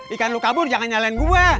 ikan lo kabur jangan nyalain gue